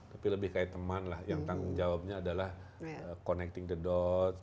tapi lebih kayak teman lah yang tanggung jawabnya adalah connecting the dots